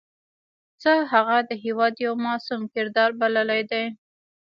زه هغه د هېواد یو معصوم کادر بللی دی.